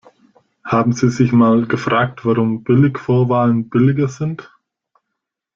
Haben Sie sich mal gefragt, warum Billigvorwahlen billiger sind?